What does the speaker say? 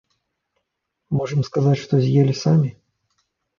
Можам сказаць, што з'елі самі.